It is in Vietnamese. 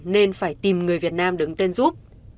nên phải tìm người việt nam đứng tên giúp